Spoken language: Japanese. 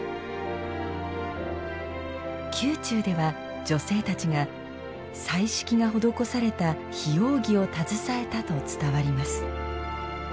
宮中では女性たちが彩色が施された檜扇を携えたと伝わります。